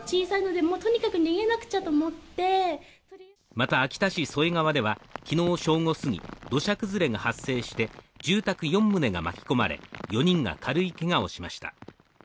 また秋田市添川では昨日正午過ぎ土砂崩れが発生して住宅４棟が巻き込まれ４人が軽いけがをしました。